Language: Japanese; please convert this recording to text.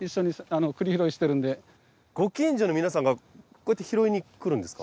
ご近所の皆さんがこうやって拾いに来るんですか？